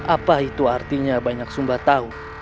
apa itu artinya banyak sumba tahu